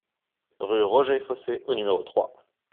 Rue Roger Fossey au numéro trois